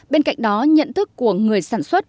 bên cạnh đó nhận thức của người sản xuất